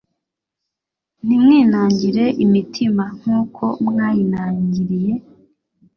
Ntimwinangire imitima Nk uko mwayinangiriye